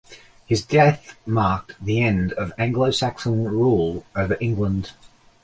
His death marked the end of Anglo-Saxon rule over England.